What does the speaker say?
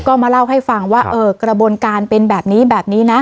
ก็มาเล่าให้ฟังว่าเออกระบวนการเป็นแบบนี้แบบนี้นะ